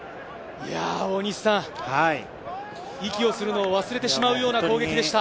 息をするのを忘れてしまうような攻撃でした。